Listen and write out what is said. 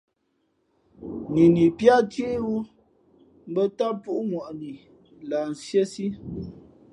Nini píá ncéhwú mbᾱ ntám tαʼ púʼŋwαʼnǐ lah nsíésí.